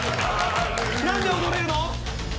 何で踊れるの！？